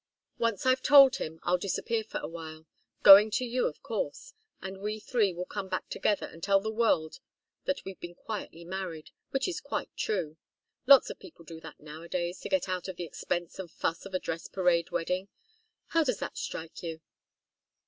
Once I've told him, I'll disappear for a while, going to you, of course, and we three will come back together and tell the world that we've been quietly married which is quite true. Lots of people do that nowadays to get out of the expense and fuss of a dress parade wedding. How does that strike you?"